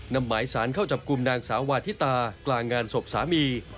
นำหมายสารเข้าจับกลุ่มนางสาววาทิตากลางงานศพสามี